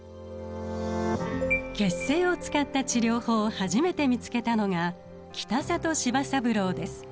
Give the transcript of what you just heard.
血清を使った治療法を初めて見つけたのが北里柴三郎です。